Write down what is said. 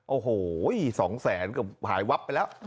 โอ้โห๒แสนก็หายวับไปแล้ว